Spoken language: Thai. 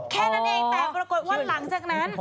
แค่นั้นเองแต่ปรากฏว่าหลังจากนั้น